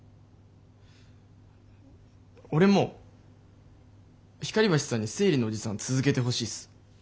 俺も光橋さんに生理のおじさん続けてほしいっす。